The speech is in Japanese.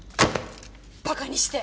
バカにして！